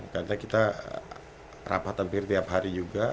karena kita rapat hampir tiap hari juga